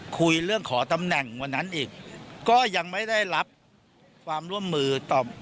คุยเรื่องขอตำแหน่งวันนั้นอีกก็ยังไม่ได้รับความร่วมมือตอบ